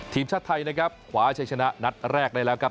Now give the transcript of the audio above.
ทีมชาติไทยนะครับขวาชัยชนะนัดแรกได้แล้วครับ